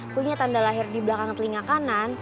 punya tanda lahir di belakang telinga kanan